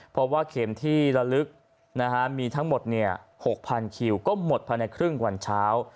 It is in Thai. เพราะว่าเข็มที่ละลึกมีทั้งหมด๖๐๐คิวก็หมดภายในครึ่งวันเช้า